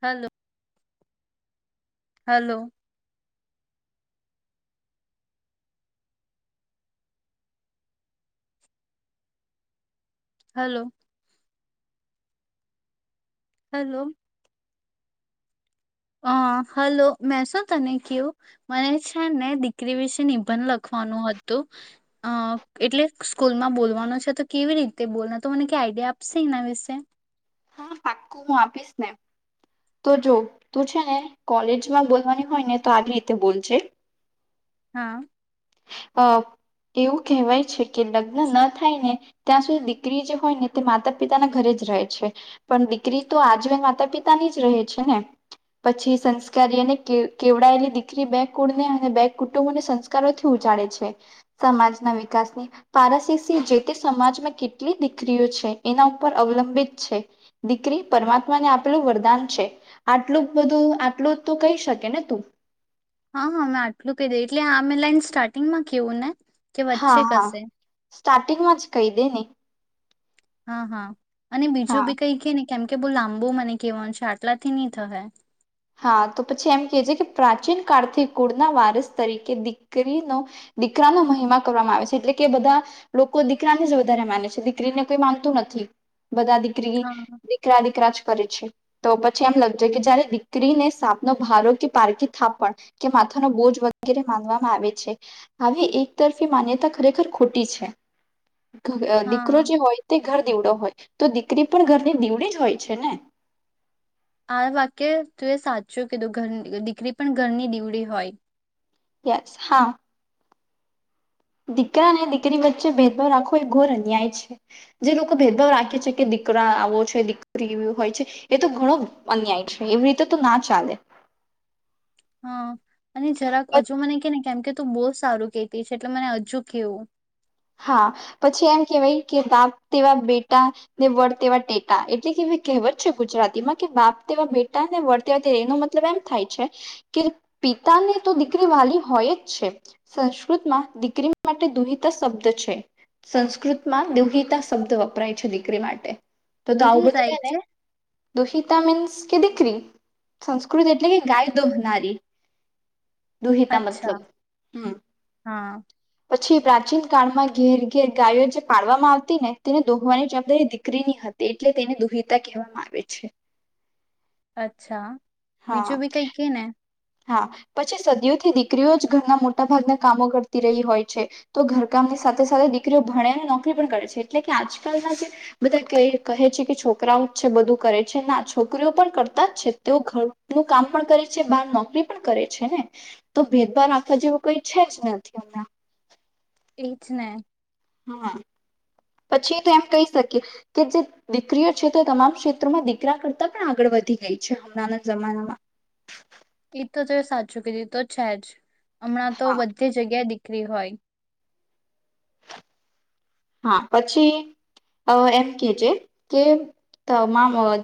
Hello hello hello hello અ hello મેં શું તને કયુ મને છે ને દીકરી વિશે નિબંધ લખવાનું હતું અ એટલે સ્કૂલમાં બોલવાનું છે તો કેવી રીતે બોલના તો મને કે આઈડિયા આપશે એના વિશે હા પાક્કું હું આપીશ ને તો જો તું છે ને કોલેજમાં બોલવાની હોય ને તો આવી રીતે બોલજે હા અ એવું કહેવાય છે કે લગ્ન ન થાયને ત્યાં સુધી દીકરી જે હોય ને તે માતા પિતાના ઘરે જ રહે છે પણ દીકરી તો આજીવન માતા પિતાની જ રહે છે ને પછી સંસ્કારીન અને કેવ કેવડાયેલી દીકરી બે કુળને અને બે કુટુંબોને સંસ્કારોથી ઉજાડે છે સમાજના વિકાસની પારસીસી જે તે સમાજમાં કેટલી દીકરીઓ છે એના ઉપર અવલંબિત છે દીકરી પરમાત્માને આપલું વરદાન છે આટલું બધું આટલું તો કહી શકે ને તું હા હા મેં આટલું કહી દે એટલે આ મેં લાઈન સ્ટાર્ટિંગમાં કેવું ને કે હા વચ્ચે હા કશે સ્ટાર્ટિંગમાં જ કહી દે ને હા હા અને બીજું હા બી કઈ કે ને કેમ કે બઉ લાંબુ મને કહેવાનું છે આટલાથી ની થવા એ હા તો પછી એમ કે જે કે પ્રાચીન કાળથી કુળના વારસ તરીકે દીકરીનો દીકરાનો મહિમા કરવામાં આવે છે એટલે કે બધા લોકો દીકરાને જ વધારે માને છે દીકરીને કોઈ માનતું નથી બધા દીકરી હા દીકરા દીકરા જ કરે છે તો પછી એમ લખજે કે જયારે દિકરીને સાપનો ભારો કે પારકી થાપણ કે માથાનો બોજ વગેરે માનવામાં આવે છે આવી એક તરફી માન્યતા ખરેખર ખોટી છે અ દીકરો હા જે હોય તે ઘર દીવડો હોય તો દીકરી પણ ઘરની દીવડી જ હોય છે ને આ વાક્ય તું એ સાચ્યું કીધું ઘર દીકરી પણ ઘરની દેવડી હોય યસ હા દીકરા અને દીકરી વચ્ચે ભેદભાવ રાખવો એ ઘોર અન્યાય છે જે લોકો ભેદભાવ રાખે છે કે દીકરા આવો છે દીકરી હોય છે એ તો ઘણો અન્યાય છે એવી રીતે તો ના ચાલે હા અને જરાક હજુ મને કેને કેમ કે તો બહુ સારું કેતી છે એટલે મને હજુ કેવું હા પછી એમ કેહેવાય કે બાપ તેવા બેટા ને વડ તેવા ટેટા એટલે કે કહેવત છે ગુજરાતીમાં કે બાપ તેવા બેટા ને વડ તેવા એનો મતલબ એમ થાય છે કે પિતાને તો દીકરી વાલી હોય જ છે સંસ્કૃત માં દીકરી માટે દુહિત સબ્ છે સંસ્કૃતમાં દુહિતા શબ્દ વપરાય છે દીકરી માટે તો તો આવું દુહી જાય બધું ને એટલે દોહિતા મીન્સ કે દીકરી સંસ્કૃત એટલે કે ગાય દોહનારી દુહતા મતલબ અચ્છા હમ હા પછી પ્રાચીન કાળમાં ઘેર ઘેર ગાયો જે પાડવામાં આવતી ને તેને દોહવાની જવાબદારી દીકરીની હતી એટલે તેને દુહતા કહેવામાં આવે છે અચ્છા હા બીજું બી કઈ કે ને હા પછી સદીઓથી દીકરીઓ જ ઘરના મોટા ભાગના કામો કરતી રહી હોય છે તો ઘરકામની સાથે સાથે દીકરીઓ ભણેને નોકરી પણ કરે છે એટલે કે આજકાલના જે બધા કહે છે કે છોકરાઓ જ છે બધું કરે છે ના છોકરીઓ પણ કરતા જ છે તેઓ ઘરનું કામ પણ કરે છે બહાર નોક નોકરી પણ કરે છે ને તો ભેદભાવ માખવા જેવું કઈ છે જ નથી એમના એ જ ને હા પછી તો એમ કહી શકીએ કે જે દીકરીઓ છે તે તમામ ક્ષેત્રોમાં દીકરા કરતા પણ આગળ વધી ગઈ છે હમણાંના જમાનામાં એ તો તો સાચું કીધું તો છે જ હમણાં તો હા બધી જગ્યાએ દ બક્રી હોય હા પછી એમ કેજ કેમ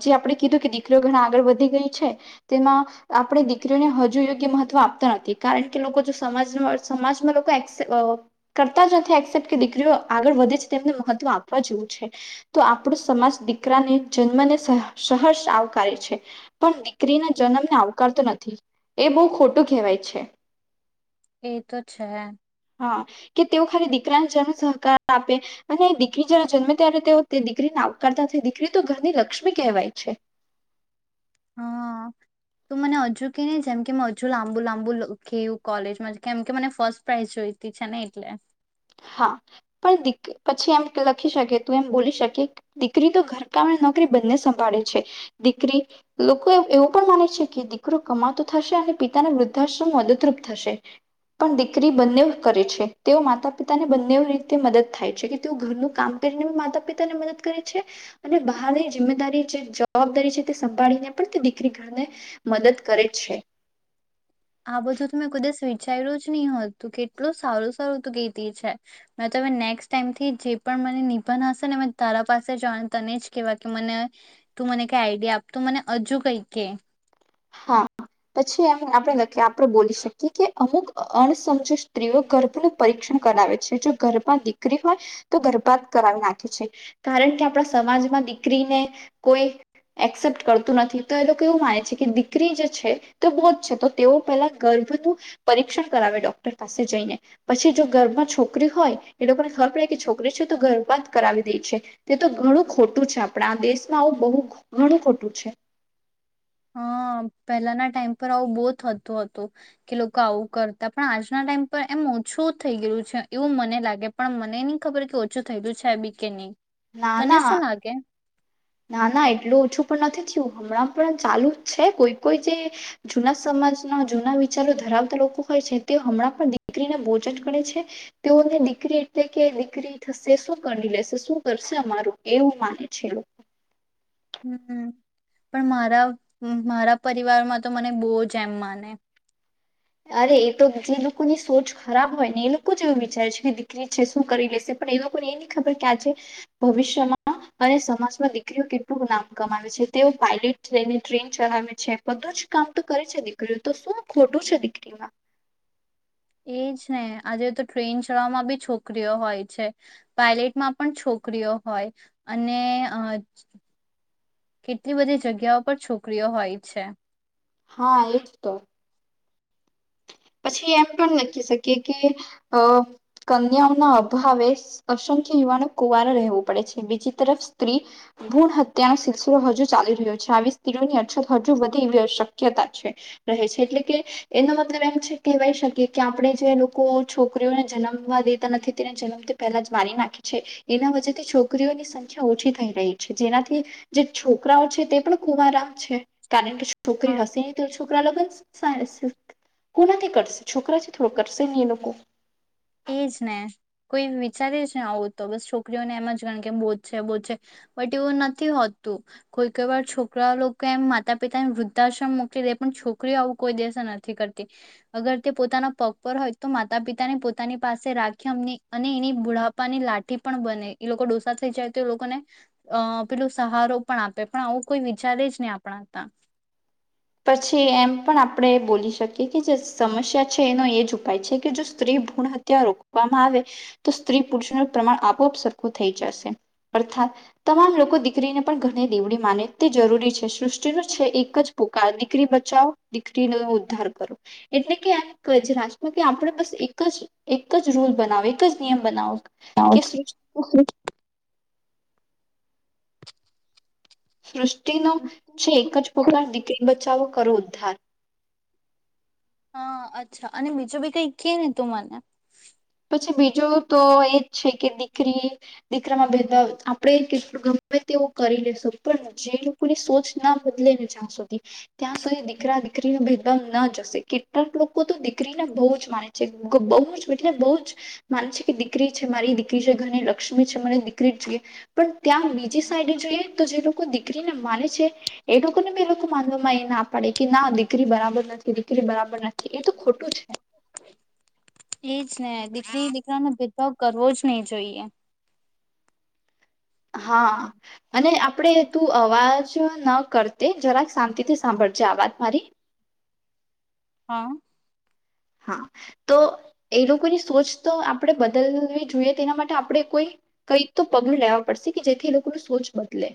જે આપણે કીધું કે દીકરીઓ ઘણા આગળ વધી ગઈ છે તેમાં આપણે દીકરીઓને હજુ યોગ્ય મહત્ત્વ આપતા નથી કારણ કે લોકો જો સમાજ સમાજમાં લોકો કરતા જ નથી એક્સેપ્ટ કે દીકરીઓ આગળ વધે છે તેમને મહત્વ આપવા જેવું છે તો આપણો સમાજ દીકરાને જન્મને સહર્ષ આવકારે છે પણ દીકરીના જન્મને આવકારતો નથી એ બહુ ખોટું કહેવાય છે એ તો છે હા કે તેઓ ખાલી દીકરા સહકાર આપે અને દીકરી જયારે જન્મે ત્યારે તેઓ દીકરીને આવકારતા દીકરી તો ઘરની લક્ષ્મી કહેવાય છે હા તો મને હજુ કે નહી જેમ કે મે હજુ લાંબુ લાંબુ કેયું કોલેજમાં કેમ કે મને ફર્સ્ટ પ્રાઈઝ જોઈતી છે ને એટલે પણ દી પછી એમ લખી શકે તું એમ બોલી શકે દીકરી તો ઘરકામ નોકરી બંને સંભાળે છે દીકરી લોકો એવો પણ માને છે કે દીકરો કમાતો થશે અને પિતાને વૃદ્ધાશ્રમ મદદરૂપ થશે પણ દીકરી બંને કરે છે તેઓ માતા પિતાને બંને રીતે મદદ થાય છે કે તેઓ ઘરનું કામ કરીને માતા પિતા ને મદદ કરે છે અને બહારની જિમ્મેદારી જે જવાબદારી છે તે સંભાળીને પણ તે દીકરી ઘરને મદદ કરે છે આ બધું તો મેં કુદસ વિચાર્યું જ નહી હોતું કેટલું સારું સારું તું કતી છે મે તમે નેક્સ્ટ ટાઈમથી જે પણ મને નિભા હશે ને મેં તારા પાસે જ તને જ કેહેવાય કે મને તું મને કઈ આઈડિયા આપ તું મને હજુ કઈ કે હા પછી એમ આપણે આપણે બોલી શકીએ કે અમુક અણસજુ સ્ત્રીઓ ગર્ભનું પરીક્ષણ કરાવે છે જો ગર્ભા દીકરી હોય તો ગર્ભાત કરાવી નાખે છે કારણ કે આપણા સમાજમાં દીકરીને કોઈ એક્સેપ્ટ કરતું નથી તો એ લોકો એવું માને છે કે છોકરી જે છે તે બૌદ્ધ છે તો તેઓ પહેલા ગર્ભનું પરીક્ષણ કરાવે ડોક્ટર પાસે જઈને પછી જો ગર્ભમાં છોકરી હોય એ લોકોને ખબર પડે કે છોકરી છે તો ગર્ભમાં જ કરાવી દે છે તે તો ઘણું ખોટું છે આપણા દેશમાં આવું બહુ ઘણું ખોટું છે હા પહેલાના ટાઈમ પર આવું બહુ થતું હતું કે લોકો આવું કરતા પણ આજના ટાઈમ પર એમ ઓછું થઈ ગયલું છે એવું મને લાગે પણ મને નહી ખબર કે ઓછું થય ગયું છે બી કે નહીં ના તને ના શું લાગે ના ના એટલું ઓછું પણ નથી થયું હમણાં પણ ચાલુ જ છે કોઈ કોઈ જે જૂના સમાજના જૂના વિચારો ધરાવતા લોકો હોય છે તે હમણાં પણ દીકરીને બોજ જ કરે છે તેઓને દીકરી એટલે કે દીકરી થશે શું કરી લેશે શું કરશે અમારું એવું માને છે હમ પણ મારા મારા પરિવારમાં તો મને બહુ જ એમ માને અરે એ તો જે લોકોની સોચ ખરાબ હોય ને એ લોકો જ એવું વિચારે છે કે દીકરી છે શું કરી લેશે પણ એ લોકોને એ નહી ખબર કે આજે ભવિષ્યમાં અને સમાજમાં દીકરીઓ કેટલું નામ કમાવે છે તેઓ પાયલટ લઈને ટ્રેન ચલાવે છે બધું જ કામ તો કરે છે દીકરીઓ તો શું ખોટું છે દીકરી [inaudible] એજ ને આજે તો ટ્રેન ચડમાં બી છોકરીઓ હોય છે પાયલટમાં પણ છોકરીઓ હોય અને કેટલી બધી જગ્યાઓ પર છોકરીઓ હોય છે હા એ જ તો પછી એમ પણ લખી શકીએ કે અ કન્યાઓના અભાવે અસંખ્ય યુવાનો કુવારો રહેવું પડે છે બીજી તરફ સ્ત્રી ભૂણ હત્યા ન સિલસિલો હજુ ચાલી રહ્યો છે આવી સ્ત્રીઓની અછત હજુ વધે એવી અ શક્યતા છે રહે છે એટલે કે એનો મતલબ એમ છે કહેવાય શકીએ કે આપણે જે લોકો છોકરીઓને જન્મવા દેતા નથી તેને જન્મ તે પહેલા જ મારી નાખીે છે એના વચ્ેથી છોકરીઓની સંખ્યા ઓછી થઈ રહી છે જેનાથી જે છોકરાઓ છે તે પણ ખૂબ આરામ છે કારણ કે હા છોકરી હસી છોકરા લગ સા. કોનાથી કરશે છોકરા છે થોડ કરશે નહી નક. એજ ને કોઈ વિચારે જ ને આવું તો બસ છોકરીઓને એમ જ ગણ કે બોધ છે બોધ છે બટ એવું નથી હોતું કોઈક વાર છોકરા લોકો એમ માતા પિતાને વૃદ્ધાશ્રમ મોકલી દે પણ છોકરીઓ આવું કોઈ દેસે નથી કરતી અગર તે પોતાના પગ પર હોય તો માતા પિતાને પો પોતાની પાસે રાખી એમની અને એની બુઢાપાની લાઠી પણ બને એ લોકો ડોસા થઈ જાય તો એ લોકોને અ પેલોું સહારો પણ આપે પણ આવું કોઈ વિચારે જ નહી આપણા ત પછી એમ પણ આપણે બોલી શકીએ કે જે સમસ્યા છે એનો એ જ ઉપાય છે કે જો સ્ત્રી ભૂણ હત્યા રોકવામાં આવે તો સ્ત્રી પુરુષોનું પ્રમાણ આપોઆપ સરખું થઈ જશે અર્થાત તમામ લોકો દીકરીને પણ ઘણી દેવડી માને તે જરૂરી છે સૃષ્ટિનો છે એક જ દીકરી બચાવો દીકરીનો ઉદ્ધાર કરો એટલે કે આમ જ રાજમાં કે આપણે બસ એક જ એક જ રૂલ બનાવો એક જ નિયમ બનાવો કે [inaudible] સૃષ્ટ. નો છે એક જ પોકાર દીકરી બચાવો. કરું ઉદધાર. હા અચ્છા અને બીજું બી કઈ કે ને તું મને. પછ બીજું તો એજ છે કે દીકરી દીકરામાં ભેદભાવ આપણે કેટ ગમે તેવું કરી લેશું પણ જે લોકોની સોચ ના બદલે ને જ્યાં સુધી ત્યાં સુધી દીકરા દીકરી ના ભેદભાવ ના જશે કેટલાક લોકો તો દીકરીને બહુ જ માને છે બહુ જ. ને બહુ જ માને છે કે દીકરી છે મારી દીકરી છે ઘની લક્ષ્મી છે મને દીકરી જ જોઈએ પણ ત્યાં બીજી સાઈડ જોઈએ તો જે લોકો દીકરીને માને છે એ લોકોને બી એ લોકો માનવામાં એ ના પાડે કે ના દીકરી બરાબર નથી દીકરી બરાબર નથી એ તો ખોટું છે. એ જ ને દીકરી દીકરા નો ભેદભાવ કરવો જ નહી જોઈએ. હા અને આપણેે તું અવાજ ન કરતી જરાક શાંતિથી સાંભળજે આવાજ મારી. હા. હા તો એ લોકોની સોચ તો આપણે બદલવી જોઈએ તેના માટે આપડણે કોઈ કઈ તો પગલું લેવા પડશે કે જેથી એ લોકો ન સોચ બદલે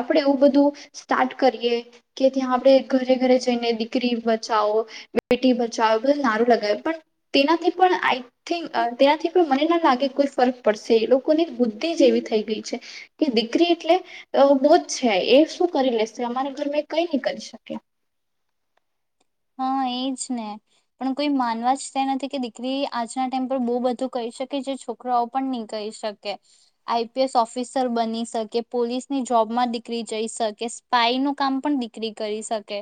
આપડે એવું બધું સ્ટાર્ટ કરીએ કે ત્યાં આપણે ઘરે ઘરે જઈને દીકરી બચાવો બેટી બચાવો બધું નારું લ પણ તેનાથી પણ આઈ થિક તેનાથી પણ મને ના લાગે કોઈ ફરક પડશે એ લોકો ને બુદ્ધ જ એવી થઈ ગઈ છે કે દીકરી એટલે બોજ છે એ શું કરી લેશે અમારા ઘર મે કઈ નહી કરી શકે. હા એજ ને પણ કોઈ માનવા જ તે નથી કે દીકરી આજના ટાઈમ પર બહુ બધું કહી શકે જે છોકરાઓ પણ નહી કહી શકે આઈપીએસ ઓફિસર બની શકે પોલીસની જોબમાં દીકરી જઈ શકે સ્પાઈ નું કામ પણ દીકરી કરી શકે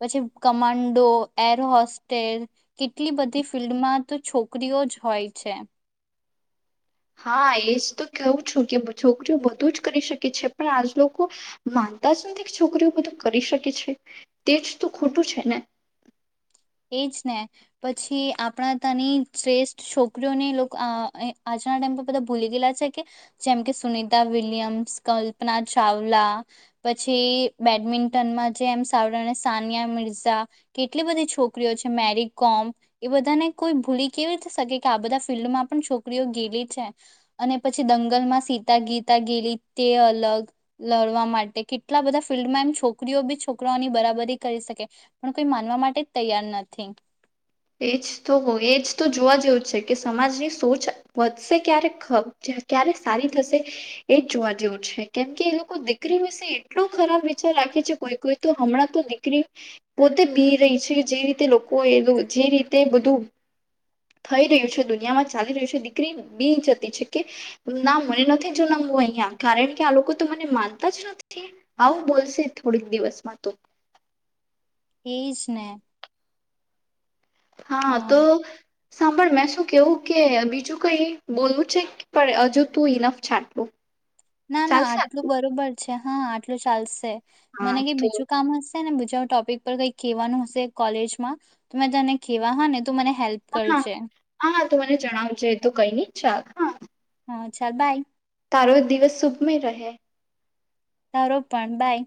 પછી કમાન્ડો એર હોસ્ટેલ કેટલી બધી ફિલ્ડમાં તો છોકરીઓ જ હોય છે. હા એજ તો કેવું છું કે છોકરીઓ બધું જ કરી શકે છે પણ આજ લોકો માનતા જ નથી કે છોકરીઓ બધું કરી શકે છે તેજ તો ખોટું છે ને. એજ ને પછી આપણા તની શ્રેષ્ઠ છોકરીઓને લોકો આજના ટાઈમ પર બધા ભૂલી ગયેલા છે કે જેમ કે સુનિતા વિલિયમ્સ કલ્પના ચાવલા પછી બેડમિન્ટનમાં જે એમ સાવળણે સાનિયા મિર્ઝા કેટલી બધી છોકરી છોકરીઓ છે મેરી કોમ એ બધાને કોઈ ભૂલી કેવી શકે કે આ બધા ફિલ્ડમાં પણ છોકરીઓ ગેલી છે અને પછી દંગલમાં સીતા ગીતા ગેલી તે અલગ લડવા માટે કેટલા બધા ફિલ્ડમાં એમ છોકરીઓ બી છોકરાઓની બરાબરી કરી શકે પણ કોઈ માનવા માટે તૈયાર નથી. એજ તો એજ તો જોવા જેવું છે કે સમાજની સોચ વધશે ક્યારે ક્યારે સારી થશે એજ જોવા જેવું છે કેમ કે એ લોકો દીકરી વિશે એટલો ખરાબ વિચાર રાખે છે કોઈ કોઈ તો હમણાં તો દીકરી પોતે બી રહી છે જે રીતે લોકો એ જે રીતે બધું થઈ રહ્યું છે દુનિયામાં ચાલી રહ્યું છે દીકરી બી જતી છે કે ના મને નથી જ નમવું અહિયાં કારણ કે આ લોકો તો મને માનતા જ નથી આવું બોલશે થોડીક દિવસમાં તો. એજ ને. અ હા તો. સાંભળ મેં શું કેવું કે બીજું કઈ બોલવું છે પણ હજુ તું ઈ નફ છાંટવું. ના ના આટલું બરોબર છે. હા આટલું ચાલશે. મને હા કે તો બીજું કામ હશે બીજા ટોપિક પર કઈ કવાનું હશે કોલેજમાં તો મેં તને ખવા હા ને તું મને હેલ્પ હા કરજે હા હા તો મને જણાવજે એ તો કઈ ન છાલ. હાછાલ બાય. તારો દિવસ શુભમય રહે. સારો પણ બાય.